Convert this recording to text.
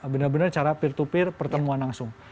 benar benar cara peer to peer pertemuan langsung